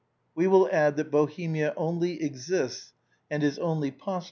We will ' ^dd that Bohemia only exists and is only pos sibl'"» i^ '^^' s.